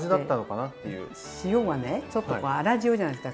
塩がねちょっと粗塩じゃないですか。